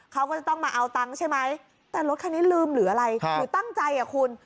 เขาก็จะต้องมาเอาตังค์ใช่ไหมแต่รถคันนี้ลืมหรืออะไรหรือตั้งใจอ่ะคุณ